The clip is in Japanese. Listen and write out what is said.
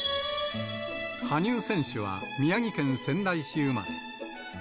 羽生選手は宮城県仙台市生まれ。